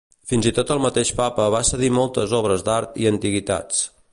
Fins i tot el mateix Papa va cedir moltes obres d'art i antiguitats.